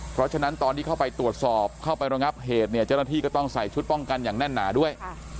เพราะฉะนั้นตอนที่เข้าไปตรวจสอบเข้าไประงับเหตุเนี่ยเจ้าหน้าที่ก็ต้องใส่ชุดป้องกันอย่างแน่นหนาด้วย